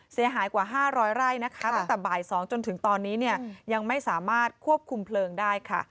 เสียหายกว่า๕๐๐ไร่นะคะตั้งแต่บ่าย๒จนถึงตอนนี้เนี่ยยังไม่สามารถควบคุมเพลิงได้ค่ะ